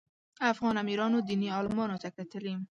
افغان امیرانو دیني عالمانو ته کتلي.